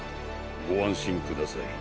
ご安心ください。